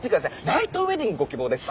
ナイトウェディングご希望ですか？